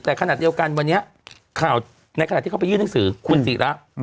แต่ขณะเดียวกันวันนี้ข่าวในขณะที่เขาไปยื่นหนังสือคุณศิระ